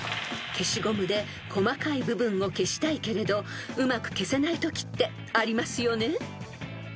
［消しゴムで細かい部分を消したいけれどうまく消せないときってありますよね］